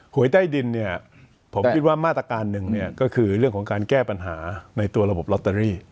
หวยใต้ดินเนี่ยผมคิดว่ามาตรการหนึ่งเนี่ยก็คือเรื่องของการแก้ปัญหาในตัวระบบลอตเตอรี่